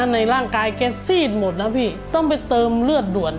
ในร่างกายแกซีดหมดนะพี่ต้องไปเติมเลือดด่วน